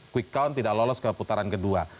quick count tidak lolos keputaran kedua